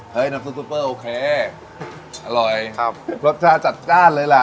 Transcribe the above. น้ำซุปซุปเปอร์โอเคอร่อยครับรสชาติจัดจ้านเลยล่ะ